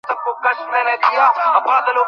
ছোটবাবুর কথা মতি কী না জানে?